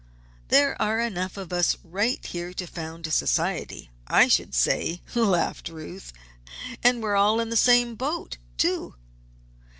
"There are enough of us right here to found a society, I should say," laughed Ruth. "And we're all in the same boat, too."